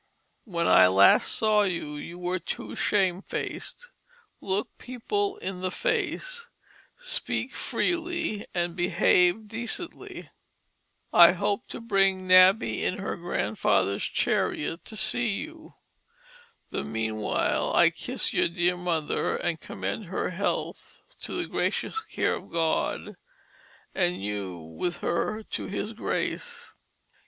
When I last saw you, you were too shamefaced; look people in the face, speak freely and behave decently. I hope to bring Nabby in her grandfather's Chariot to see you. The meanwhile I kiss your dear Mother, and commend her health to the gracious care of God, and you with her to His Grace.